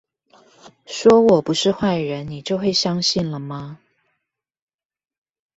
說我不是壞人你就會相信了嗎？